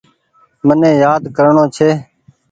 مني يآد ڪرڻو ڇي۔